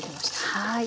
はい。